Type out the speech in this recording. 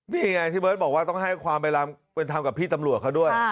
นี่ไงที่เบิร์ตบอกว่าต้องให้ความเป็นธรรมกับพี่ตำรวจเขาด้วย